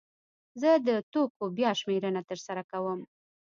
زه د توکو بیا شمېرنه ترسره کوم.